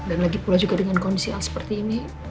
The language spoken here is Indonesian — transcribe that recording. dan lagi pula juga dengan kondisi al seperti ini